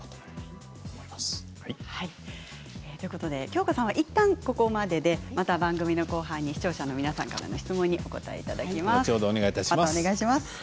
京香さんはいったんここまででまた番組の後半で視聴者の皆さんからの質問にお答えいただきます。